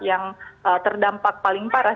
yang terdampak paling parah